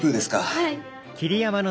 はい。